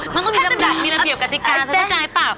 มันต้องมีลำดับมีระเบียบกติกาเธอเข้าใจเปล่า